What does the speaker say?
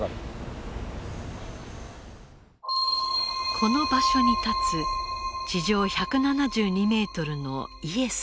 この場所に建つ地上１７２メートルのイエスの塔。